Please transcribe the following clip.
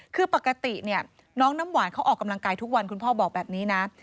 คือปกติเนี่ยน้องน้ำหวานเขาออกกำลังกายทุกวันคุณพ่อบอกแบบนี้นะ